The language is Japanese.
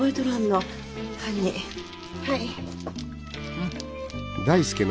うん。